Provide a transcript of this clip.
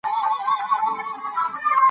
ایا تاسو د خپلو ژمنو تعقیب کوئ؟